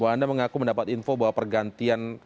bahwa anda mengaku mendapat info bahwa pergantian